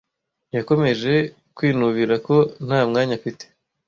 Yakomeje kwinubira ko nta mwanya afite.